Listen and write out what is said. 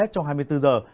trong hai mươi bốn giờ